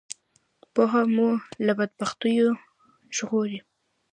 پوهنه مو له بدبختیو ژغوری